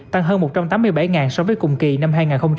tăng hơn một trăm tám mươi bảy so với cùng kỳ năm hai nghìn hai mươi